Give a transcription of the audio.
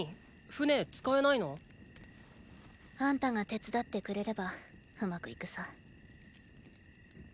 船使えないの？あんたが手伝ってくれればうまくいくさ。